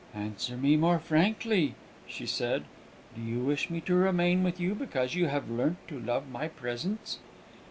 "Answer me more frankly," she said. "Do you wish me to remain with you because you have learnt to love my presence?"